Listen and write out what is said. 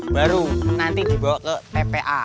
baru nanti dibawa ke tpa